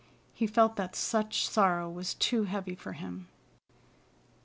He felt that such sorrow was too heavy for him.